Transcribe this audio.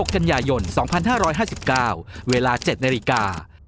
กันยายน๒๕๕๙เวลา๗นาฬิกา